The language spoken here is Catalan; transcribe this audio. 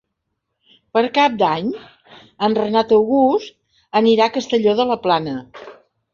Per Cap d'Any en Renat August anirà a Castelló de la Plana.